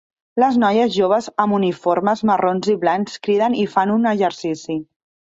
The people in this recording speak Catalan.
Les noies joves amb uniformes marrons i blancs criden i fan un exercici.